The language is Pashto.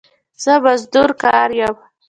زه مزدور کار يم